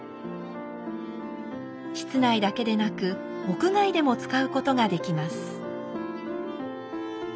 室内だけでなく屋外でも使うことができます。